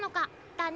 だね。